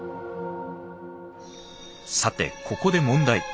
さてここで問題。